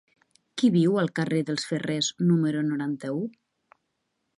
Qui viu al carrer dels Ferrers número noranta-u?